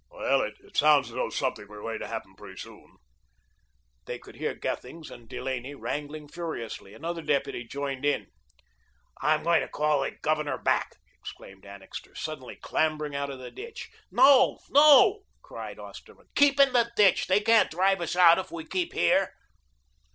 "Well, it sounds as though something were going to happen pretty soon." They could hear Gethings and Delaney wrangling furiously; another deputy joined in. "I'm going to call the Governor back," exclaimed Annixter, suddenly clambering out of the ditch. "No, no," cried Osterman, "keep in the ditch. They can't drive us out if we keep here."